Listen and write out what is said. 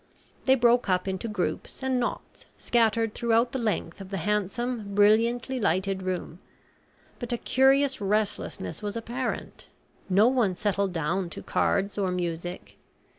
They broke up into groups and knots, scattered through the length of the handsome, brilliantly lighted room, but a curious restlessness was apparent; no one settled down to cards or music.